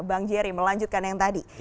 bang jerry melanjutkan yang tadi